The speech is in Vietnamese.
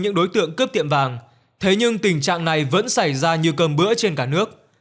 những đối tượng cướp tiệm vàng thế nhưng tình trạng này vẫn xảy ra như cơm bữa trên cả nước